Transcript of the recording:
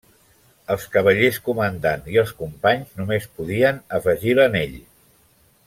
Els Cavallers Comandant i els Companys només podien afegir l'anell.